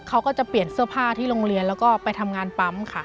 เขาก็จะเปลี่ยนเสื้อผ้าที่โรงเรียนแล้วก็ไปทำงานปั๊มค่ะ